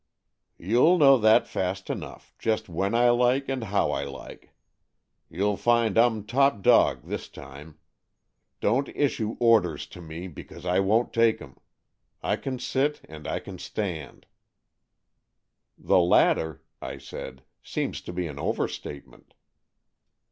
" You'll know that fast enough, just when I like and how I like. You'll find I'm top dog this time. Don't issue orders to me, because I won't take 'em. I can sit and I can stand." " The latter," I said, " seems to be an over statement."